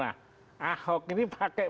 ahok ini pakai